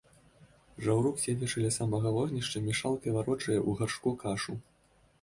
Жаўрук, седзячы ля самага вогнішча, мешалкай варочае ў гаршку кашу.